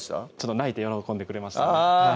泣いて喜んでくれましたね